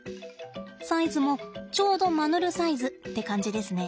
サイズもちょうどマヌルサイズって感じですね。